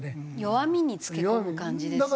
弱みにつけ込む感じですよね。